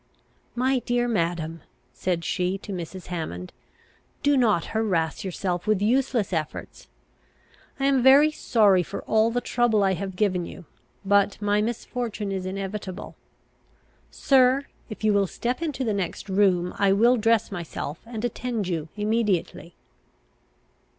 "My dear Madam," said she to Mrs. Hammond, "do not harass yourself with useless efforts. I am very sorry for all the trouble I have given you. But my misfortune is inevitable. Sir, if you will step into the next room, I will dress myself, and attend you immediately."